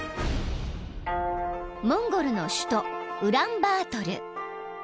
［モンゴルの首都ウランバートル］